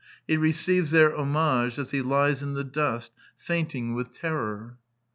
He receives their homage as he lies in the dust fainting with terror.